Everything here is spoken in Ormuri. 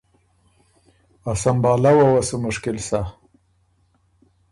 ا سمبهالؤ وه سُو مشکل سۀ۔